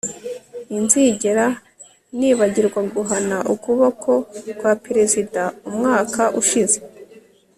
inzigera nibagirwa guhana ukuboko kwa Perezida umwaka ushize